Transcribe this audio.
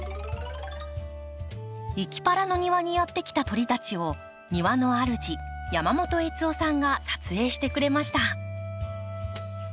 いきパラの庭にやって来た鳥たちを庭の主山本悦雄さんが撮影してくれました。